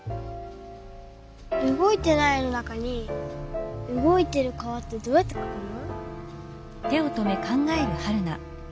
うごいてない絵の中にうごいてる川ってどうやってかくの？